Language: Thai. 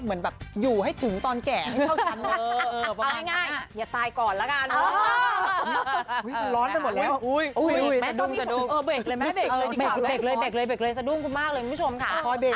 เบ็กเลยเบ็กเลยสะดุมกูมากเลยคุณผู้ชมค่ะ